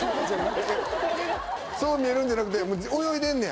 そう見えるんじゃなくて泳いでんねや？